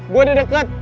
gua ada deket